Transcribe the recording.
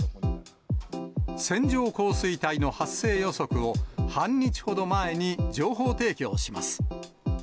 線状降水帯の発生予測を半日ほど前に情報提供します。